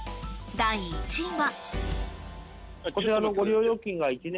第１位は。